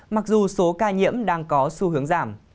mặc dù số ca nhiễm đang có xu hướng giảm